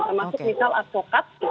termasuk misal advokat